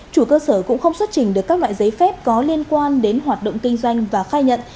chủ cơ sở cũng không xuất trình được các loại giấy phép có liên quan đến hoạt động kinh doanh và khai nhận